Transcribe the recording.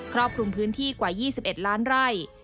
รอบคลุมพื้นที่กว่า๒๑ล้านไร่